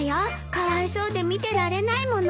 かわいそうで見てられないもの。